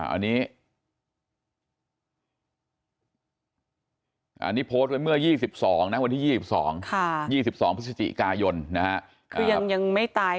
อันนี้โพสต์เมื่อ๒๒นะวันที่๒๒พฤศจิกายนยังไม่ตายยังไงคะ